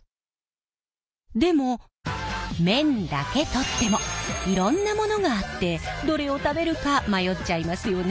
でも麺だけとってもいろんなものがあってどれを食べるか迷っちゃいますよね。